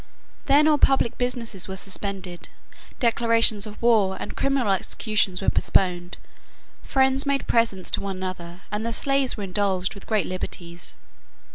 Then all public business was suspended, declarations of war and criminal executions were postponed, friends made presents to one another and the slaves were indulged with great liberties.